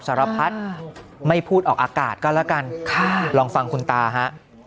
สารพัดไม่พูดออกอากาศก็แล้วกันค่ะลองฟังคุณตาฮะ